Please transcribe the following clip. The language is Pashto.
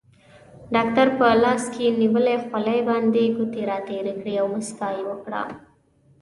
ډاکټر په لاس کې نیولې خولۍ باندې ګوتې راتېرې کړې او موسکا یې وکړه.